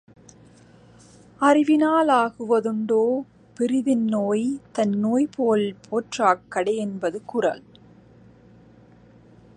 அறிவினா லாகுவ துண்டோ பிறிதின்நோய் தன்னோய்போல் போற்றாக் கடை என்பது குறள்.